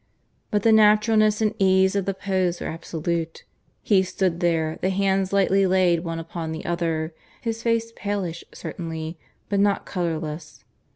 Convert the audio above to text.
But the naturalness and ease of the pose were absolute. He stood there, the hands lightly laid one upon the other, his face palish certainly, but not colourless.